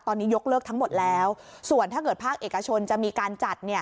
ตอนนี้ยกเลิกทั้งหมดแล้วส่วนถ้าเกิดภาคเอกชนจะมีการจัด